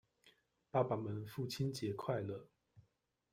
爸爸們父親節快樂！